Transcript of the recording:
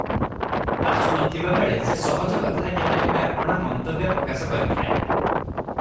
ବାସୁ ନ ଥିବାବେଳେ ସେ ସହଜ କଥାରେ କେବେ କେବେ ଆପଣା ମନ୍ତବ୍ୟ ପ୍ରକାଶ କରିଥାଏ ।